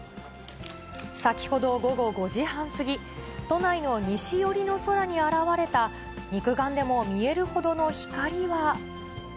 先ほど午後５時半過ぎ、都内の西寄りの空に現れた、肉眼でも見えるほどの光は。